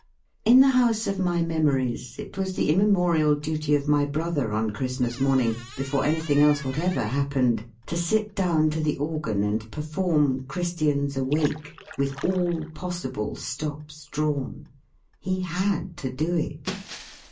In the house of my memories, it was the immemorial duty of my brother on Christmas morning, before anything else what ever happened, to sit down to the organ and perform "Christians Awake" with all possible stops drawn. He had to do it.